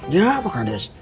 ya pak kades